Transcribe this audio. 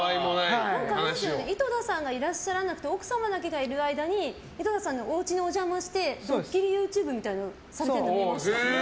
井戸田さんがいらっしゃらなくて奥様だけがいる間に井戸田さんのおうちにお邪魔してドッキリＹｏｕＴｕｂｅみたいなのされてるの見ました。